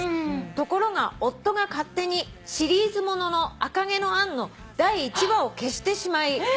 「ところが夫が勝手にシリーズ物の『赤毛のアン』の第１話を消してしまい」え